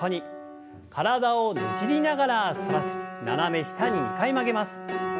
体をねじりながら反らせて斜め下に２回曲げます。